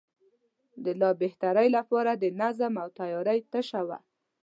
د لا بهترۍ لپاره د نظم او تیارۍ تشه وه.